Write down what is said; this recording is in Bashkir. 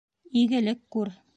Игелек күр.